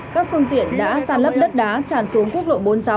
các phương tiện đã sàn lấp đất đá tràn xuống quốc lộ bốn mươi sáu